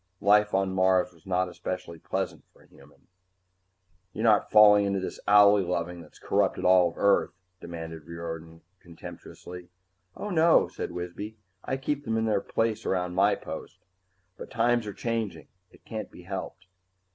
Life on Mars was not especially pleasant for a human. "You're not falling into this owlie loving that's corrupted all Earth?" demanded Riordan contemptuously. "Oh, no," said Wisby. "I keep them in their place around my post. But times are changing. It can't be helped."